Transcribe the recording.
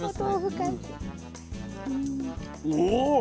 お！